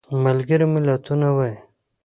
ملګري ملتونه وایي.